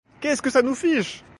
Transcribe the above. Qu'est-ce que ça nous fiche!